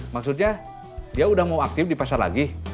maksudnya dia udah mau aktif di pasar lagi